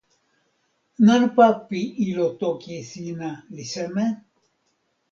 nanpa pi ilo toki sina li seme?